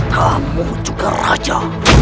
kamu juga raja